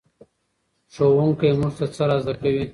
ښوونکی موږ ته څه را زده کوي؟